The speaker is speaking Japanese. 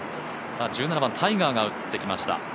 １７番、タイガーが映ってきました。